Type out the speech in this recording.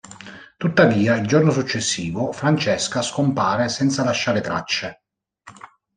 Tuttavia, il giorno successivo Francesca scompare senza lasciare tracce.